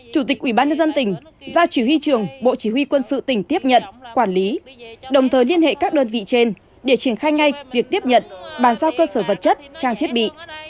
chủ tịch ubnd tỉnh ra chỉ huy trường bộ chỉ huy quân sự tỉnh tiếp nhận quản lý đồng thời liên hệ các đơn vị trên để triển khai ngay việc tiếp nhận bàn giao cơ sở vật chất trang thiết bị